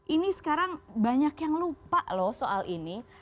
ini sekarang banyak yang lupa loh soal ini